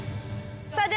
さあ